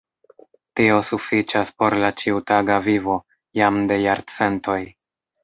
Tio sufiĉas por la ĉiutaga vivo jam de jarcentoj.